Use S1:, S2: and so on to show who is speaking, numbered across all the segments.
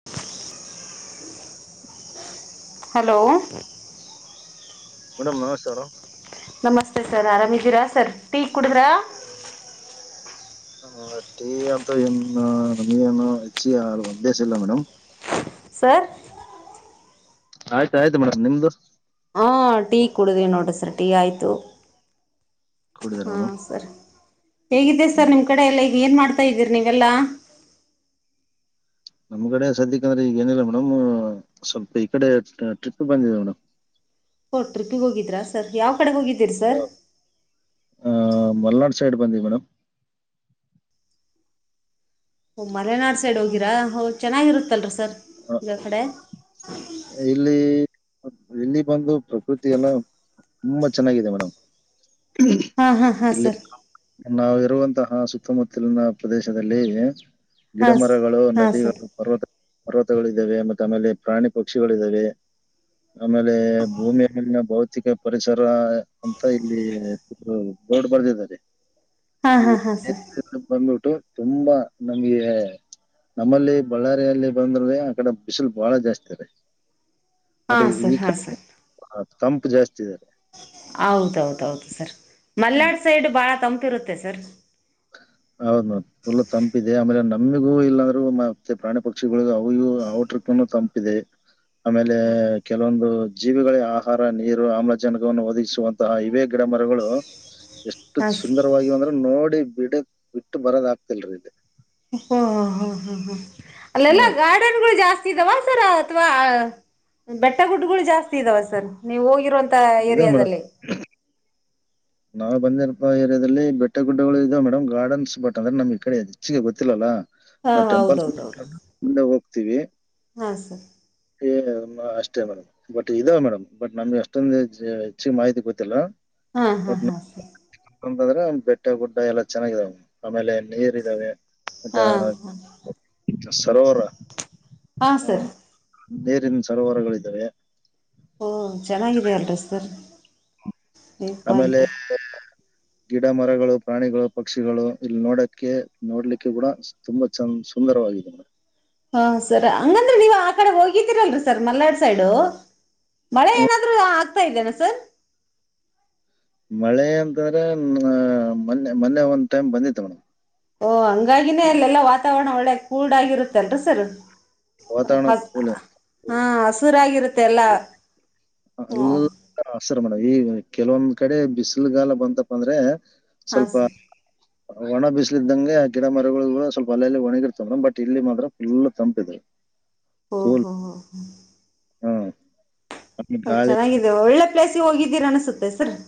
S1: [inaudible]
S2: [inaudible]
S1: Hello
S2: madam ನಮಸ್ತೆ madam
S1: ನಮಸ್ತೆ sir ಆರಾಮ್ದೀರಾ ಸರ್ ಟೀ ಕುಡುದ್ರ.
S2: ನಮಗೆ ಟೀ ಏನು ಆತರ ಎಲ್ಲಾ ನಮಗೆ ಅಭ್ಯಾಸ ಇಲ್ಲ ಮೇಡಮ್.
S1: ಸರ್
S2: ಆಯ್ತು ಆಯ್ತು ಮೇಡಮ್ ನಿಮ್ದು
S1: ಹಾ ಟೀ ಕುಡುದ ನೋಡು ಸರ್ ಟೀ ಆಯ್ತು.
S2: ಕುಡಿದಾರ
S1: ಹಾ
S2: ಮೇಡಮ್
S1: ಸರಿ ಹೇಗಿದ್ದೆ ಸರ್
S2: ಹ್ಮ್
S1: ನಿಮ್ ಕಡೆ ಎಲ್ಲ ಈಗ ಏನ್ ಮಾಡ್ತಾ ಇದ್ದೀರಿ ನೀವೆಲ್ಲಾ.
S2: ನಮ್ ಕಡೆ ಸದ್ಯಕ್ಕೆ ಅಂದ್ರೆ ಈಗ ಏನಿಲ್ಲ ಮೇಡಮ್ ಸ್ವಲ್ಪ ಈ ಕಡೆ ಟ್ರಿಪ್ ಬಂದಿದೆ ಮೇಡಮ್.
S1: ಓ ಟ್ರಿಪಿಗೆ ಹೋಗಿದ್ದಿದರಾ ಸರ್ ಯಾವ ಕಡೆ ಹೋಗಿದ್ದೀರಿ ಸರ್.
S2: ಆ ಮಲ್ನಾಡು ಸೈಡ್ ಬಂದಿವಿ ಮೇಡಮ್.
S1: ಹ ಮಲೆನಾಡು ಸೈಡ್ ಹೋಗಿರಾ ಹ್ ಚೆನ್ನಾಗಿರುತ್ತಲ್ರ ಸರ್ ಆ ಕಡೆ.
S2: ಇಲ್ಲಿ ಇಲ್ಲಿ ಬಂದು ಪ್ರಕೃತಿ ಎಲ್ಲ. ತುಂಬಾ ಚೆನ್ನಾಗಿದೆ ಮೇಡಮ್.
S1: ಹಾ ಹಾ ಹಾ
S2: ಇಲ್ಲಿ
S1: ಸರ್
S2: ನಾವು ಇರುವಂತಹ ಸುತ್ತಮುತ್ತಲಿನ ಪ್ರದೇಶದಲ್ಲಿ.
S1: ಹಾ
S2: ಗಿಡ ಮರಗಳು
S1: ಹಾ ಸರ್
S2: ನದಿಗಳು ಪರ್ವತ ಪರ್ವತಗಳು ಇದ್ದಾವೆ ಮತ್ತ ಆಮೇಲೆ ಪ್ರಾಣಿ ಪಕ್ಷಿಗಳಿದ್ದಾವೆ. ಆಮೇಲೆ ಭೂಮಿಯ ಮೇಲಿನ ಭೌತಿಕ ಪರಿಸರ ಅಂತ ಇಲ್ಲಿ ಹ್ಮ [unintelligible]
S1: ಹಾ ಹಾ ಹ ಸರ್ [inaudible]
S2: ನೆನಪ ಬಂದ್ಬಿಟ್ಟು ತುಂಬಾ ನಮ್ಗೆ? [inaudible] ನಮ್ಮಲ್ಲಿ ಬಳ್ಳಾರಿಯಲ್ಲಿ ಬಂದರ ರಿ ಆ ಕಡೆ ಬಿಸಿಲು ಬಾಳ ಜಾಸ್ತಿ ರಿ. [inaudible]
S1: ಹಾ
S2: ಬಟ್ ಈ
S1: ಸರ್ ಹಾ
S2: ಕಡೆ ತಂಪು ಜಾಸ್ತಿ ಇದ ರಿ [inaudible]
S1: ಹೌದ ಹೌದ ಹೌದು ಸರ್
S2: ಹ್ಮ್
S1: ಮಲ್ನಾಡ್ ಸೈಡ್ ಬಾಳ ತಂಪಿರುತ್ತೆ ಸರ್. [inaudible] [inaudible]
S2: ಹೌದ್ ಮ್ಯಾಮ್ ಫುಲ್ ತಂಪ ಇದೆ ಆಮೇಲೆ ನಮಿಗೂ ಇಲ್ಲರಿಗೂ ಮ್ಯಾಮ್ ಮತ್ತೆ ಪ್ರಾಣಿ ಪಕ್ಷಿಗಳಿಗ ಅವಾಗ ಇವಾಗ ಗ ಅವ ಟ್ರಿಪ್ [inaudible] ಇನ್ನು ತಂಪ ಇದೆ. [inaudible]
S1: [inaudible]
S2: ಆ ಮೇಲೆ? [inaudible] ಕೆಲವೊಂದು ಜೀವಿಗಳಿಗೆ ಆಹಾರ ನೀರು ಆಮ್ಲಜನಕವನ್ನು ಒದಗಿಸುವಂತಹ ಇವೆೇ ಗಿಡ ಮರಗಳು [inaudible]
S1: [inaudible]
S2: ಎಷ್ಟು
S1: ಹಾ ಸ
S2: ಸುಂದರವಾಗಿ ಅಂದ್ರ ನೋಡಿ ಬಿಡ ಬಿಟ್ಟು ಬರದ ಆಗ್ತಿಲ್ರೀ ಇಲ್ಲಿ. [inaudible]
S1: ಹೋ ಹೋ ಹ ಹ
S2: ಹಾ
S1: ಅಲ್ಲೆಲ್ಲಾ ಗಾರ್ಡನ್ ಗಳು ಜಾಸ್ತಿ [inaudible] ಇದಾವ ಸರ್ ಅಥವಾ ಅ ಬೆಟ್ಟ ಗುಡ್ಗಳು ಜಾಸ್ತಿ ಇದಾವ ಸರ್ ನೀವು ಹೋಗಿರೋ [inaudible] ತ
S2: ಇದಾವ್
S1: ಏರಿಯಾದಲ್ಲಿ. [inaudible]
S2: ನಾವ ಬಂದಿರವಂತ ಏರಿಯಾದಲ್ಲಿ ಬೆಟ್ಟ ನಾ ಬಂದಿಲ್ಲ ಪಾ ಈ ಏರಿಯಾದಲ್ಲಿ ಬೆಟ್ಟ ಗುಡ್ಡಗಳು ಇದಾವ ಮೇಡಂ ಗಾರ್ಡನ್ಸ್ ಬಟ್ ಅಂದ್ರೆ ನಮ್ ಈ ಕಡೆ ಹೆಚ್ಚಿಗೆ ಗೊತ್ತಿಲ್ಲ ಅಲ
S1: ಹಾ
S2: [inaudible] ನಾ ಟೆಂಪಲ್ಸ್ ಸ್ವಲ್ಪ ಮುಂದೆ ಹೋಗ್ತಿವಿ. [inaudible]
S1: ಹಾ ಸರ್. [inaudible]
S2: ಏ ಮ ಅಷ್ಟ ಮೇಡಂ [inaudible] ಬಟ್ ಇದಾವೆ ಮೇಡಮ್ ಬಟ್ ನಮ್ಗೆ ಅಷ್ಟೊಂದ ಹೆಚ್ಚು ಹೆಚ್ಚಿಗೆ ಮಾಹಿತಿ ಗೊತ್ತಿಲ್ಲ. [inaudible]
S1: ಹಾ ಹಾ ಹಾ ಸರಿ. [inaudible]
S2: ಮತ್ತ ಅಂದರ ಬೆಟ್ಟ ಗುಡ್ಡ ಎಲ್ಲಾ ಚೆನ್ನಾಗಿದಾವೆ ಆಮೇಲೆ ನೀರ್ ಇದಾವೆ [inaudible] ಮತ್ಯಾ
S1: ಹಾಂ ಹಾಂ
S2: ಅ ಸರೋವರ
S1: ಹಾಂ
S2: ಹಾ
S1: ಸರ್
S2: [inaudible] ನೀರಿನ ಸರೋವರಗಳ ಇದಾವೆ. [inaudible]
S1: ಚನ್ನಾಗಿದೆ ಅಲ್ಲ ರಿ ಸರ್. [inaudible]
S2: ಆಮೇಲೆ?
S1: ಪಾಯಿಂಟ್
S2: [inaudible] ಗಿಡ ಮರಗಳು ಪ್ರಾಣಿಗಳು ಪಕ್ಷಿಗಳು ಇಲ್ಲಿ ನೋಡಕ್ಕೆ ನೋಡ್ಲಿಕ್ಕೆ ಬೂಡ [inaudible] ತುಂಬಾ ಚಂದ ಸುಂದರವಾಗಿದೆ ಮೇಡಂ. [inaudible]
S1: ಹಾ ಸರ್ ಹಂಗಂದ್ರೆ ನೀವ್ ಆ ಕಡೆ ಹೋಗಿದ್ದೀರಲ್ರರಿ ಸರ್ ಮಲ್ನಾಡ್ ಸೈಡು? [inaudible] ಮಳೆ
S2: ಮೇಡಮ್
S1: ಏನಾದರೂ ಆಗ್ತಾ ಇದ್ದೇನೆ ಸರ್? [inaudible]
S2: ಮಳೆ ಅಂತಂದ್ರೆ ಮ ಮೊನ್ನೆ ಮೊನ್ನೆ ಒಂದ್ ಟೈಮ್ ಬಂದಿತ್ತು ಮೇಡಂ. [inaudible]
S1: ಓ ಹಂಗಾಗಿನೇ ಅಲ್ಲೆಲ್ಲಾ ವಾತಾವರಣ ಒಳ್ಳೆ ಕೂಲ್ಡ್ ಆಗಿರುತ್ತೆ ಅಲ್ಲ ರಿ ಸರ್. [inaudible]
S2: ವಾತಾವರಣ
S1: ಹಗ್ಗ
S2: ಕೂಲ್
S1: ಹಾ ಹಸುರಾಗಿರುತ್ತೆ ಎಲ್ಲಾ? [inaudible]
S2: ಅಲ್ಲ ಹಸರ ಮೇಡಂ ಈಗ ಕೆಲವೊಂದ್ ಕಡೆ ಬಿಸಿಲುಗಾಲ ಬಂತಪ್ಪ ಅಂದ್ರೆ. [inaudible]
S1: ಹಾ
S2: ಸ್ವಲ್ಪ.
S1: ಸರ್
S2: [inaudible] ಒಣ ಬಿಸಲಿದ್ದಂಗೆ ಗಿಡ ಮರಗಳು ಕೂಡ ಸ್ವಲ್ಪ ಅಲ್ಲೆಲ್ಲಿ ಒಣಗಿರ್ತವ ಮೇಡಂ ಬಟ್ ಇಲ್ಲಿ ಮಾತ್ರ ಫುಲ್ ತಂಪ ಇದೆ. [inaudible]
S1: ಓಹೋ ಓಹೋ ಓಹೋ [inaudible]
S2: ಹ [inaudible]
S1: ಸರ್ ಚೆನ್ನಾಗಿದೆ ಒಳ್ಳೆ ಪ್ಲೇಸಿಗೆ ಹೋಗಿದ್ದೀರಾ ಅನ್ಸುತ್ತೆ ಸರ್? [inaudible]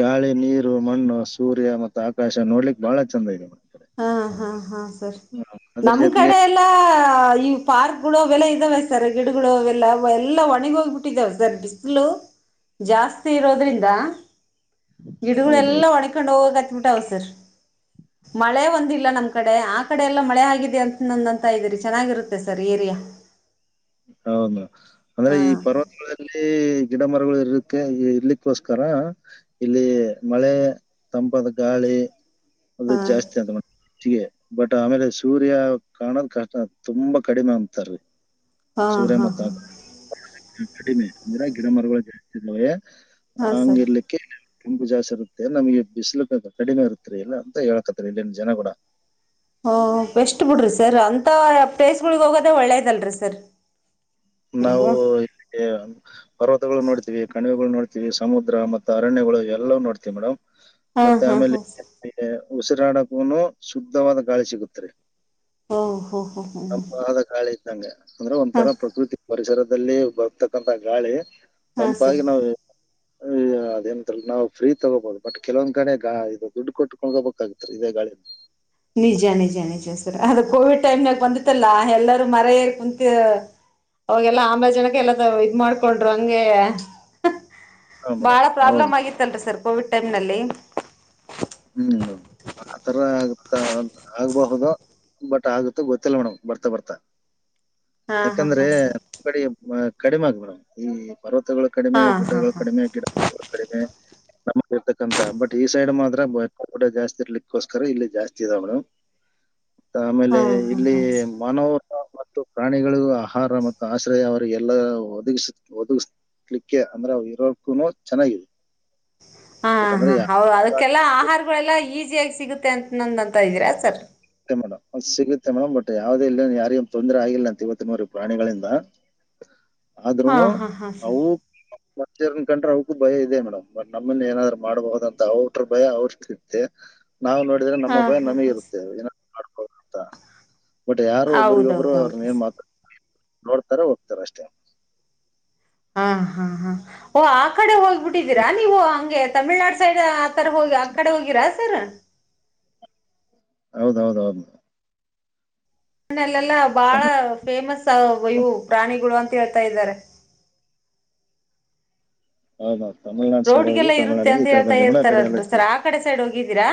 S2: ಗಾಳಿ, ನೀರು, ಮಣ್ಣು, ಸೂರ್ಯ, ಮತ್ತ ಆಕಾಶ ನೋಡ್ಲಿಕ್ ಬಹಳ ಚಂದ ಐತಿ. [inaudible]
S1: ಹ ಹಾ ಹಾ ಸರ್
S2: ಅದ್ರ
S1: ನಮ್ಮ
S2: ಜೊತೆಗೆ
S1: ಕಡೆ ಎಲ್ಲಾ [inaudible] ಆ ಇವ ಪಾರ್ಕ್ಗಳು ಅವೆಲ್ಲ ಇದಾವೆ ಸರ್ ಗಿಡಗಳು ಅವೆಲ್ಲ ಎಲ್ಲ ಒಣಗಿ ಹೋಗಿ ಬಿಟ್ಟಿದಾವ ಸರ್ ಬಿಸಿಲು [inaudible] ಜಾಸ್ತಿ ಇರೋದ್ರಿಂದ
S2: ಹೌದೌದು
S1: ಗಿಡಗಳೆಲ್ಲ ಒಣಕೊಂಡ್ ಹೋಗಾಕತ್ತವ ಸರ್. [inaudible] ಮಳೆ ಒಂದಿಲ್ಲ ನಮ್ಮ ಕಡೆ ಆ ಕಡೆ ಎಲ್ಲಾ ಮಳೆ ಹಾಗಿದೆ ಅಂತನ ಅಂತ ಇದ್ದೀರಿ ಚೆನ್ನಾಗಿರುತ್ತೆ ಸರ್ ಏರಿಯಾ. [inaudible] [inaudible]
S2: ಹೌದ ಅಂದ್ರೆ
S1: ಹಾ
S2: ಈ ಪರ್ವತಗಳ. ಇಲ್ಲಿ ಗಿಡ ಮರಗಳು ಇರತ್ತೆ ಇರ್ಲಿಕ್ಕೋಸ್ಕರ. ಇಲ್ಲಿ ಮಳೆ ತಂಪಾದ ಗಾಳಿ ಅದು
S1: ಹಾ
S2: ಜಾಸ್ತಿ ಅಂತ. ಸಿ ಎ ಬಟ್ ಆಮೇಲೆ ಸೂರ್ಯ ಕಾಣದ ಕಷ್ಟ ತುಂಬಾ ಕಡಿಮೆ ಅಂತಾರೀ.
S1: ಹಾ
S2: ಸೂರ್ಯ
S1: ಹಾ
S2: ಮತ್ತ
S1: ಹಾ
S2: ಕಡಿಮೆ ಅಂದ್ರೆ ಗಿಡ ಮರಗಳು ಜಾಸ್ತಿ ಇದ್ದಾವೆ.
S1: ಹಾಂ ಸರ್
S2: ಹಂಗಿರ್ಲಿ. ತುಂಬಾ ಜಾಸ್ತಿ ಇರುತ್ತೆ ನಮಗೆ ಬಿಸ್ಲು ಕೂಡಾ ಕಡಿಮೆ ಇರುತ್ತರಿ ಇಲ್ಲಾ ಅಂತ ಹೇಳಕತ್ರಿ ಇಲ್ಲಿನ ಜನ ಕೂಡ.
S1: ಓ. ಓ. ಬೆಸ್ಟ್ ಬಿಡ್ರರಿ ಸರ್ ಅಂತ ಪ್ಲೇಸ್ಗಳಿಗೆ ಹೋಗೋದೆ ಒಳ್ಳೇದಲ್ರಿ ಸರ್. ನೀವು
S2: ನಾವು. [inaudible] ಪರ್ವತಗಳು ನೋಡ್ತಿವಿ ಕಣಿವೆಗಳು ನೋಡ್ತಿವಿ ಸಮುದ್ರ ಮತ್ತ ಅರಣ್ಯಗಳು ಎಲ್ಲ ನೋಡ್ತಿವಿ ಮೇಡಮ್.
S1: ಹಾಂ
S2: ಮತ್ತೆ
S1: ಹಾಂ
S2: ಆಮೇಲೆ
S1: ಹಾಂ
S2: ಉಸಿರಾಡಕನು ಶುದ್ಧವಾದ ಗಾಳಿ ಸಿಗತ್ರಿ.
S1: ಓಹ್ ಹೋ ಹೋ ಹೋ
S2: ತಂಪಾದ ಗಾಳಿ ಇದ್ದಂಗ ಅಂದ್ರ
S1: ಹಾಂ
S2: ಒಂತರ ಪ್ರಕೃತಿ. ಪರಿಸರದಲ್ಲಿ ಬರ್ತಕ್ಕಂತ ಗಾಳಿ
S1: ಹಾಂ
S2: ತಂಪಾಗಿ ನಾವು.
S1: [inaudible]
S2: ಅದೆಂತ ನಾವು ಫ್ರೀ ತೊಗೋಬಹುದು ಬಟ್ ಕೆಲವೊಂದ್ ಕಡೆ ಗಾಳಿ ಇದು ದುಡ್ಡು ಕೊಟ್ಟ ಕೊಂಡಕಬೇಕ ಇದೇ ಗಾಳಿ ನ.
S1: ನಿಜ ನಿಜ ನಿಜ ಸರ್ ಅದು ಕೋವಿಡ್ ಟೈಮ್ನಾಗ ಬಂದಿತ್ತಲ್ಲಾ ಎಲ್ಲರೂ ಮರ ಎರ ಕುಂತ. ಅವಾಗೆಲ್ಲ ಆಮ್ಲಜನಕ್ಕೆ ಎಲ್ಲ ಇದ್ ಮಾಡ್ಕೊಂಡರು ಹಂಗೆ.
S2: ಹಾ ಮೇಡಮ್
S1: ಬಾಳ ಪ್ರಾಬ್ಲಮ್
S2: ಹೌದು
S1: ಆಗಿತ್ತಲ ರಿ ಸರ್ ಕೋವಿಡ್ ಟೈಮ್ ನಲ್ಲಿ.
S2: ಹ್ಮ್ ಆತರ ಆಗ್ತ ಆಗ್ಬಹುದಾ. ಬಟ್ ಆಗುತ್ತ ಗೊತ್ತಿಲ್ಲ ಮೇಡಮ್ ಬರ್ತಾ ಬರ್ತಾ.
S1: ಹಾಂ ಹಾಂ
S2: ಯಾಕಂದ್ರೆ
S1: ಹಾಂ ಸರ್
S2: ಕಡೆ ಕಡಿಮ ಆಗ ಮೇಡಮ್ ಈ ಪರ್ವತಗಳು. ಕಡಿಮೆ
S1: ಹಾಂ ಹಾಂ
S2: ಗುಡ್ಡಗಳು
S1: ಹಾಂ
S2: ಕಡಿಮೆ ಗಿಡಗಳು ಕಡಿಮೆ ನಮ ಇರ್ತಕ್ಕಂತ ಬಟ್ ಈ ಸೈಡ್ ಮಾತ್ರ. ರ ಕೂಡ ಜಾಸ್ತಿ ಇರ್ಲಿಕ್ಕೋಸ್ಕರ ಇಲ್ಲಿ ಜಾಸ್ತಿ ಇದಾವ ಮೇಡಮ್. ಆಮೇಲೆ
S1: ಹಾಂ ಹಾಂ
S2: ಇಲ್ಲಿ
S1: ಹಾಂ
S2: ಮನವರು. ಮತ್ತು ಪ್ರಾಣಿಗಳು ಆಹಾರ ಮತ್ತು ಆಶ್ರಯ ಅವಲ್ಲ ಒದಗ ಒದಗ. ಹಲಿಕ್ಕೆ ಅಂದ್ರೆ ಇರೋಕ್ಕು ಚೆನ್ನಾಗಿದೆ.
S1: ಹ
S2: ಬಟ್ ಅಂದ್ರೆ
S1: ಹ
S2: ಯಾ-
S1: ಹೌದು ಅದಕ್ಕೆಲ್ಲ
S2: ಸಿಗುತ್ತೆ
S1: ಆಹಾರಗಳೆಲ್ಲಾ ಈಸಿಯಾಗಿ ಸಿಗುತ್ತೆ ಅಂತ ನಂದು ಅಂತ ಇದ್ದೀರಾ ಸರ್.
S2: ಮೇಡಮ್್ ಸಿಗುತ್ತೆ ಮೇಡಮ್ ಬಟ್ ಯಾವ್ದದ ಇ ಯಾರ ತೊಂದರೆ ಆಗಿಲ್ಲಂತ ಇವತ್ತಿನ ವರೆಗು ಪ್ರಾಣಿಗಳಿಂದ.
S1: [inaudible]
S2: ಆದ್ರೂನು
S1: ಹಾ ಹಾ ಸರ್
S2: ಅವು. ಮನುಷ್ರು ಕಂಡ್ರೆ ಅವ್ರಕ್ಕೂ ಭಯ ಇದೆ ಮೇಡಮ್ ಬಟ್ ನಮ್ಮಲ್ಲಿ ಏನಾದ್ರು ಮಾಡ್ಬಹುದ ಅಂತ ಅವಟ್ರ ಭಯ ಅವ್ರಷ್ಟು ಇತೆ. ನಾ ನೋಡಿದ್ರೆ ನಮ್ಮ
S1: ಹಾ
S2: ಭಯ
S1: ಹಾ
S2: ನಮಗೆ
S1: ಹಾ ಸರ್
S2: ಇರುತ್ತೆ. ಮಾಡ್ಬೋದು ಅಂತ ಬಟ್ ಯಾರು ಒಬ್ಬರಗ ಒಬ್ಬರು
S1: ಹೌದೌದೌದು
S2: ಅವ್ರನ್ನ ಏನ್ ಮಾತಾಡ. ನೋಡ್ತಾರ ಹೋಗ್ತಾರ ಅಷ್ಟೇ.
S1: ಹಾ, ಹಾ, ಹಾ ಓ ಆ ಕಡೆ ಹೋಗ್ಬಿಟ್ಟಿದ್ದೀರಾ ನೀವು ಹಂಗೆ ತಮಿಳನಾಡ ಸೈಡ್. ಆ ಕಡೆ ಹೋಗಿ ಆ ಕಡೆ ಹೋಗಿರಾ ಸರ್.
S2: ಹೌದ ಹೌದ ಹೌದ.
S1: ಮನೇಲೆಲ್ಲಾ ಬಾಳ
S2: ತಮಿಳ್
S1: ಫೇಮಸ್ ಆವ್ ಇವು ಪ್ರಾಣಿಗಳು ಅಂತ ಹೇಳ್ತಾ ಇದ್ದಾರೆ.
S2: ಹೌದ ಹೌದ ತಮಿಳನಾಡ.
S1: ರೋಡ್ಗೆಲ್ಲ ಇರುತ್ತೆ ಅಂತ ಹೇಳ್ತಾ ಇರ್ತಾರಲ್ರು ಸರ್
S2: ಚಿ-
S1: ಆ ಕಡೆ ಸೈಡ್ ಹೋಗಿದ್ದೀರಾ.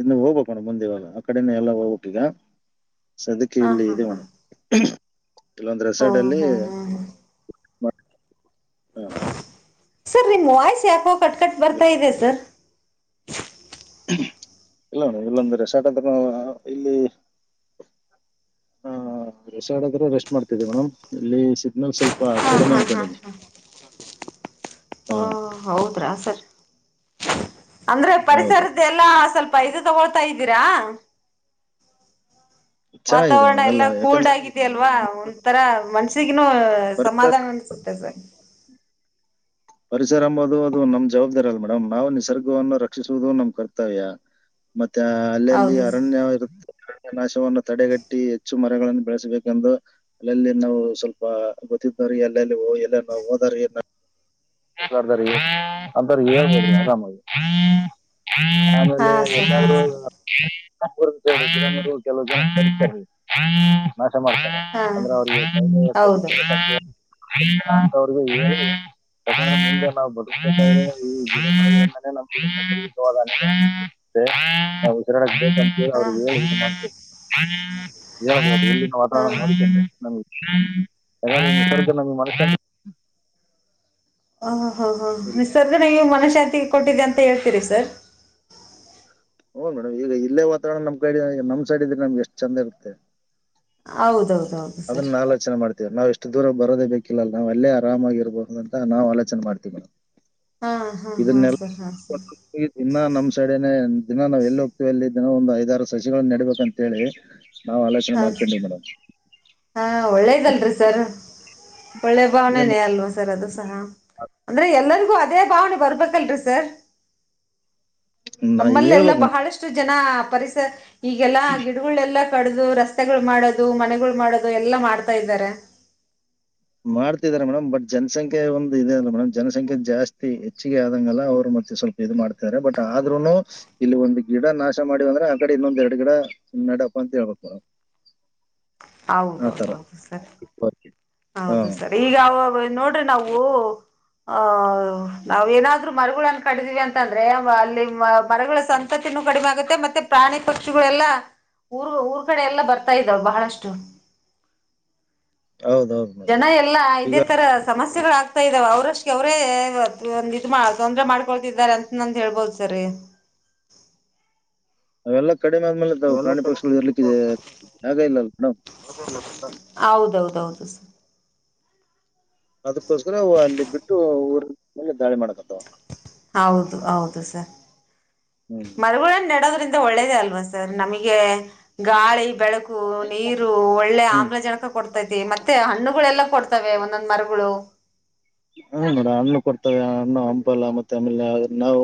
S2: ಇನ್ನು ಹೋಗ್ಬೇಕಕ್ಣ ಮುಂದೆವಲ್ಲ ಆ ಕಡೆನ ಎಲ್ಲ ಹೋಗ್ಬೇಕಕ್ ಈಗ ಸದಕ
S1: ಹಾ
S2: ಇಲ್ಲಿ
S1: ಹಾ ಹಾ
S2: ಇದವಣ. ಕೆಲವೊಂದು್
S1: ಓ
S2: ರೆಸಾರ್ಟ್ ಅಲ್ಲಿ.
S1: ಹ್ಮ್ ಹ್ಮ್
S2: ಮಾಡ್- ಹಾ.
S1: ಸರ್ ನಿಮ ವಾಯ್ಸ್ ಯಾಕೋ ಕಟ್ಕಟ್ ಬರ್ತಾ ಇದೆ ಸರ್.
S2: ಇಲ್ಲ ಮೇಡಂ ಎಲ್ಲ ಒಂದು ರೆಸಾರ್ಟ್ ಹತ್ರ ಇಲ್ಲಿ. ಹ ರೆಸ್ಟ್ ಮಾಡ್ತಿದವಿ ಮೇಡಮ್ ಇಲ್ಲಿ ಸಿಗ್ನಲ್ ಸ್ವಲ್ಪ
S1: ಹಾ
S2: ಕಡಿಮೆ
S1: ಹಾ ಹಾ ಹಾ
S2: ಅನ್ಕೊಂಡಿದೆ ಹಾ
S1: ಹೌದ ಸರ್ ಅಂದ್ರೆ
S2: ಹೌದು
S1: ಪರಿಸರದ ಎಲ್ಲಾ ಸ್ವಲ್ಪ ಇದು ತಗೊಳ್ತಾ ಇದ್ದೀರಾ.
S2: ಚೆನ್ನಾಗಿದೆ
S1: ವಾತಾವರಣ
S2: ಮೇಡಮ್ ಎಲ್ಲ
S1: ಎಲ್ಲಾ ಕೂಲ್ಡ್
S2: ಯಾಕಂದ್ರೆ
S1: ಆಗಿ. ಅಲ್ವಾ ಒಂಥರ ಮನ್ಸಿಗನುೂ
S2: ಪರಿಸರ
S1: ಸಮಾಧಾನ ಅನ್ಸುತ್ತೆ ಸರ್
S2: ಪರಿಸರ ಎಂಬುದು ಅದು ನಮ್ ಜವಾಬ್ದಾರಿ ಅಲ್ ಮೇಡಮ್ ನಾವು ನಿಸರ್ಗವನ್ನು ರಕ್ಷಿಸುವುದು ನಮ್ ಕರ್ತವ್ಯ. ಮತ್ತೆ ಅಲ್ಲಲ್ಲಿ
S1: ಹೌದು
S2: ಅರಣ್ಯ ಇರುತ್ತರಣ ನಾಶವನ್ನು ತಡೆಗಟ್ಟಿ ಹೆಚ್ಚು. ಮರಗಳನ್ನು ಬೆಳೆಸಬೇಕೆಂದು. ಅಲ್ಲೆಲ್ಲಿ ನಾವು ಸ್ವಲ್ಪ ಗೊತ್ತಿದ್ದವ್ರ ಅಲ್ಲೆಲ್ಲಿ ಎಲ್ಲ ನಾವು ಹೋದ್ರರೇ ನಾವು [unintelligible]
S1: ಹಾ ಸರ್ ಹಾ ಸರ್
S2: [inaudible] [inaudible]
S1: ಹಾ
S2: [inaudible]
S1: ಹೌದು
S2: [unintelligible] [unintelligible] [inaudible] [unintelligible] [inaudible]
S1: ಹಾ
S2: [unintelligible]
S1: ಹಾ
S2: [inaudible] [unintelligible] [inaudible]
S1: ಹ ಹ ಹಾ ನಿರ್ಸಗ ನೀವು ಮನಶಾಂತಿಗೆ ಕೊಟ್ಟಿದ್ದ ಅಂತ ಹೇಳ್ತೀರಿ ಸರ್
S2: ಹ್ ಮೇಡಮ ಈಗ ಇಲ್ಲೇ ವಾತಾವರಣ ನಮ್ ಕೈ ನಮ್ ಸೈಡ್ ಇದ್ರೆ ನಮಗೆ ಎಷ್ಟ ಚಂದ ಇರು ತ್ತೆ.
S1: ಹೌದೌದೌದು.
S2: ಅದನ್ನ
S1: ಸರ್
S2: ನಾಲ್ಕು. ಆಲಚನೆ ಮಾಡ್ತೀವಿ ನಾವು ಎಷ್ಟು ದೂರ ಬಾರೋದೇ ಬೇಕಿಲ್ಲ ಅ ನಾವು ಅಲ್ಲೇ ಆರಾಮಾಗಿರಬಹುದು ಅಂತ ನಾವು ಆಲೋಚನೆ ಮಾಡ್ತೀವಿ.
S1: ಹು ಹುಹು ಹು
S2: ಈ ದಿನ ನಮ್ ಸಡನೆ ದಿನ ನಾವ್ ಎಲ್ಲಿ ಹೋಗ್ತೀವಿ ಅಲ್ಲಿ ದಿನ ಒಂದ್ ಐದಾರು ಸಸಿಗಳ ನೆಡ್ಬೇಕ ಅಂತ ಹೇಳಿ. ನಾವ್ ಆಲೋಚನೆ
S1: ಹಾ
S2: ಮಾಡ್ಕೊಂಡ್ವಿ ಮೇಡಮ್.
S1: ಹಾ ಒಳ್ಳೇದಲ್ರಿ ಸರ್. ಒಳ್ಳೆ
S2: ಇಲ್ಲೇ
S1: ಭಾವನನೇ ಅಲ್ವಾ ಸರ್ ಅದು ಸಹ ಅಂದ್ರೆ ಎಲ್ಲರಿಗೂ ಅದೇ ಭಾವನೆ ಬರ್ಬೇಕ ಸರ್
S2: ನಾ
S1: ನಮ್ಮಲ್ಲೆಲ್ಲ
S2: ಹೇಳ್ಬೇಕು ಮೇಡಮ್
S1: ಬಹಳಷ್ಟು ಜನ ಪರಿಸರ. ಈಗೆಲ್ಲ ಗಿಡಗಳೆಲ್ಲ ಕಡದು ರಸ್ತೆಗಳು ಮಾಡೋದು ಮನೆಗಳು ಮಾಡೋದು ಎಲ್ಲ ಮಾಡ್ತಾ ಇದ್ದಾರೆ.
S2: ಮಾಡ್ತಿದ್ದಾರೆ ಮೇಡಮ್ ಬಟ್ ಜನಸಂಖ್ಯೆ ಒಂದು ಇದೆ ಅಲ ಮೇಡಮ್ ಜನಸಂಖ್ಯೆ ಜಾಸ್ತಿ ಹೆಚ್ಚಿಗೆ ಆದಂಗಲ್ಲ ಅವ್ರು ಮತ್ತೆ ಸ್ವಲ್ಪ. ಇದು ಮಾಡ್ತಾರೆ ಬಟ್ ಆದ್ರೂನು. ಇಲ್ಲಿ ಒಂದ್ ಗಿಡ ನಾಶ ಮಾಡಿ ಅಂದ್ರ ಆಕಡೆ ಎರಡ್ ಗಿಡ ನೇಡಬೇಕು ಅಂತಹೇಳಬೇಕು.
S1: ಹೌದೌದೌದು ಸರ್
S2: ಆತರ ಹಾ
S1: ಹೌದು ಸರ್ ಈಗ ನೋಡ್ರಿ ನಾವು. ಹ ನಾವ್ ಏನಾದ್ರು ಮರಗಳನ್ನ ಕಡಿತಿದಿವಿ ಅಂತಂದ್ರೆ ಅಲ್ಲಿ ಮರಗಳ ಸಂಖ್ಯೆ. ತಿನ್ನು ಕಡಿಮೆ ಆಗುತ್ತೆ ಮತ್ತೆ ಪ್ರಾಣಿ ಪಕ್ಷಿಗಳೆಲ್ಲ ಊರು ಊರ್ ಕಡೆ ಎಲ್ಲ ಬರ್ತಾ ಇದವೆ ಬಹಳಷ್ಟು. [unintelligible]
S2: ಹೌದೌದು ಮೇಡಮ್
S1: ಎಲ್ಲ
S2: ಈಗ
S1: ಇದೇ ತರ ಸಮಸ್ಯೆಗಳುಾಗಗ್ತಾ ಇದಾವ ಅವರಷ್ಟಗೆ ಅವರೇ ಇಲ್ಲ ತೊಂದ್ರ ಮಾಡ್ಕೊಳ್ತಿದ್ದಾರೆ ಅಂತ. ನಂದು ಹೇಳ್ಬೋದು ಸರಿ
S2: ಅವೆಲ್ಲಾ ಕಡಿಮೆ ಆದ್ಮೇಲೆ ತಾವು ಪ್ರಾಣಿ ಪಕ್ಷಿಗಳು ಇರ್ಲಿಕ್ಕ ಜಗ ಇಲ್ಲ ಮೇಡಮ್.
S1: ಹೌದೌದೌದು.
S2: ಅದಕ್ಕೋಸ್ಕರವು ಅಲ್ಲಿ ಬಿಟ್ಟು ಊರ ಮೇಲೆ ದಾಳಿ ಮಾಡಕತ್ತ.
S1: ಹೌದು ಹೌದು ಸರ್
S2: ಹ್ಮ್
S1: ಮರಗಳು ನೆಡೋದ್ರಿಂದ. ಒಳ್ಳೇದ ಅಲ್ವಾ ಸರ್ ನಮಗೆ ಗಾಳಿ ಬೆಳಕು. ನೀರು ಒಳ್ಳೆ
S2: ಹ್ಮ್
S1: ಆಮ್ಲಜನಕ ಕೊಡ್ತೈತಿ ಮತ್ತೆ ಹಣ್ಣುಗಳೆಲ್ಲಾ ಕೊಡ್ತವೆ ಒಂದೊಂದ್ ಮರಗಳು
S2: ಹೂ ನೋಡ ಹಣ್ಣು ಕೊಡ್ತವೆ ಹಣ್ಣು ಹಂಪಲ್ಲ ಮತ್ತೆ ಆಮೇಲೆ ನಾವು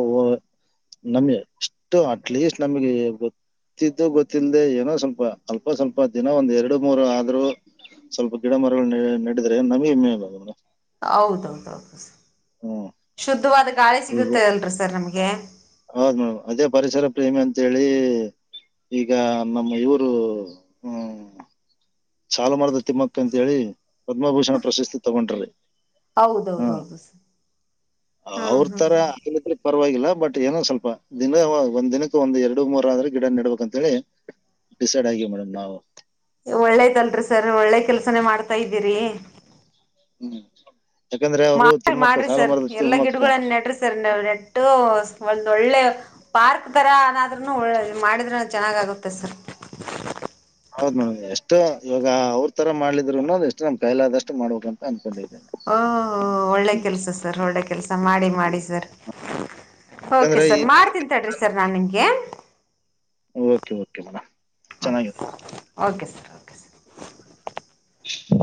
S2: ನಮಿ ಎಷ್ಟು ಅಟ್ಲೀಸ್ಟ್ ನಮಗೆ ಗೊ ಗೊತ್ತಿದ್ದು ಗೊತ್ತಿಲ್ಲದೆೇ ಏನೋ ಸ್ವಲ್ಪ ಅಲ್ಪ ಸ್ವಲ್ಪ ದಿನ ಒಂದ್ ಎರಡು ಮೂರು ಆದ್ರು ಸ್ವಲ್ಪ ಗಿಡ ಮರಗಳು ನಡಿದ್ರೆ ನಮಗೆ [unintelligible]
S1: ಹೌದೌದು ಸ
S2: ಹ್ಮ್
S1: ಶುದ್ಧವಾದ ಗಾಳಿ
S2: ಈಗ
S1: ಸಿಗುತ್ತೆ ಅಲ್ರೀ ಸರ್ ನಮ್ಗೆ
S2: ಹೌದ್ ಮೇಡಮ್ ಅದೇ ಪರಿಸರ ಪ್ರೇಮಿ ಅಂತೇಳಿ ಈಗ ನಮ್ಮ ಇವರು ಸಾಲು ಮರದ ತಿಮ್ಮಕ್ಕ ಅಂತ ಹೇಳಿ ಪದ್ಮಭೂಷಣ ಪ್ರಶಸ್ತಿ ತಗೊಂಡ್ರು
S1: ಹೌದೌದು ಸರ್ ಹಾ
S2: ಅವ್ರ
S1: ಹಾ
S2: ತರಾ
S1: ಹಾ
S2: [unintelligible] ಪರವಾಗಿಲ್ಲ ಬಟ್ ಏನೊ ಸ್ವಲ್ಪ ದಿನ ಒಂದ್ ದಿನಕ್ಕೆ ಒಂದೆರಡು ಮೂರ ಆದ್ರು ಗಿಡ ನಡ್ಬೇಕಂತ ಹೇಳಿ ಡಿಸೈಡ್ ಆಗಿವ ಮೇಡಂ ನಾವು
S1: ಒಳ್ಳೇದಲ್ರಿ ಸರ್ ಒಳ್ಳೆ ಕೆಲ್ಸನೇ ಮಾಡ್ತಾ ಇದ್ದೀರಿ
S2: ಹ್ಮ್ ಯಾಕಂದ್ರೆ ಅವರು
S1: ಮಾಡ್ರಿ
S2: ತಿಮ್ಮಕ್ಕ
S1: ಮಾಡ್ರಿ ಸರ್
S2: ಸಾಲುಮರದ
S1: ಎಲ್ಲಾ
S2: ತಿಮ್ಮಕ್ಕ
S1: ಗಿಡಗಳನ್ನ ನೆಡ್ರಿ ಸರ್ ನೆಟ್ಟು ಒಂದ ಒಳ್ಳೆ ಪಾರ್ಕ್ ತರಾ ಅನಾದನು ಮಾಡಿದ್ರ ಚೆನ್ನಾಗಾಗುತ್ತೆ ಸರ್
S2: ಹೌದ್ ಮೇಡಂ ಎಷ್ಟು ಇವಾಗ ಅವ್ರ ತರಾ ಮಾಡಿದಿದ್ರು ಎಷ್ಟು ನಮ್ ಕೈಲಾದಷ್ಟು ಮಾಡ್ಬೇಕಂತ ಅನ್ಕೊಂಡಿದ್ದೆ
S1: ಓ ಒಳ್ಳೆ
S2: ಹ್ಮ್
S1: ಕೆಲ್ಸ ಸರ್ ಒಳ್ಳೆ ಕೆಲ್ಸ ಮಾಡಿ ಮಾಡಿ ಸರ್ ಓಕೆ
S2: ಯಾಕಂದ್ರೆ ಈ
S1: ಸರ್ ಮಾಡ್ತೀನ್ ತಡ್ರಿ ಸರ್ ನಾ ನಿಮಗೆ
S2: okay okay madam
S1: okay sir okay sir okay sir
S2: [unintelligible]